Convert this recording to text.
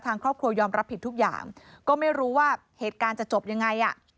ทางครอบครัวยอมรับผิดทุกอย่างก็ไม่รู้ว่าเหตุการณ์จะจบยังไงอ่ะ